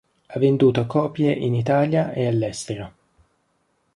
Ha venduto copie in Italia e all'estero.